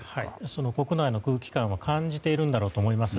その国内の空気感は感じているんだろうと思います。